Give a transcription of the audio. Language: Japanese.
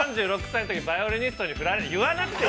３６歳のとき、バイオリニストに振られて。